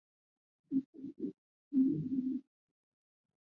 普吕默托。